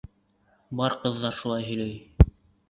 Бар ҡыҙҙар шулай һөйләй.